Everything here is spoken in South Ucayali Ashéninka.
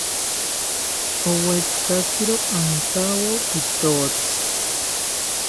Rowetzikakiro antowo pitotzi